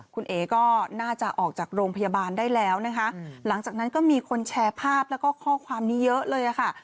คุณเอ๋ก็น่าจะออกจากโรงพยาบาลได้แล้วนะคะหลังจากนั้นก็มีคนแชร์ภาพแล้วก็ข้อความนี้เยอะเลยค่ะ